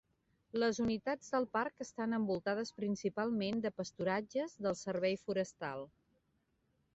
Les unitats del parc estan envoltades principalment de pasturatges del servei forestal.